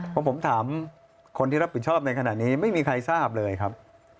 เพราะผมถามคนที่รับผิดชอบในขณะนี้ไม่มีใครทราบเลยครับ